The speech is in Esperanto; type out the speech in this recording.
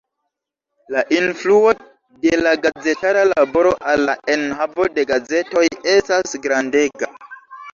La influo de la gazetara laboro al la enhavo de gazetoj estas grandega.